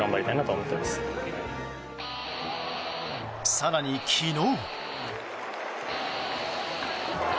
更に昨日。